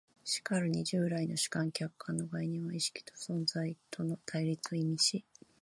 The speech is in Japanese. しかるに従来の主観・客観の概念は意識と存在との対立を意味し、